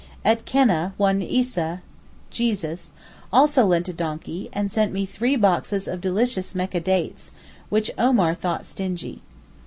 At Keneh one Issa (Jesus) also lent a donkey, and sent me three boxes of delicious Mecca dates, which Omar thought stingy.